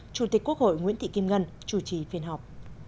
chủ tịch quốc hội nguyễn thị kim ngân chủ trì phiên họp